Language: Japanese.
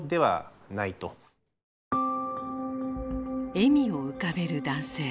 笑みを浮かべる男性。